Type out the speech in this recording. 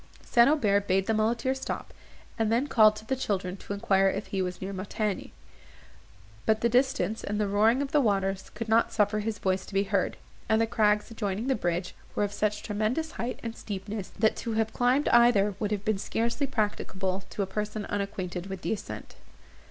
St. Aubert bade the muleteer stop, and then called to the children to enquire if he was near Montigny; but the distance, and the roaring of the waters, would not suffer his voice to be heard; and the crags, adjoining the bridge, were of such tremendous height and steepness, that to have climbed either would have been scarcely practicable to a person unacquainted with the ascent.